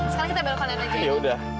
sekarang kita belok kanan aja